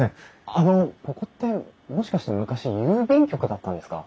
あのここってもしかして昔郵便局だったんですか？